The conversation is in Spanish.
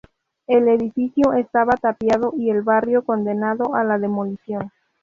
El edificio estaba tapiado y el barrio condenado a la demolición.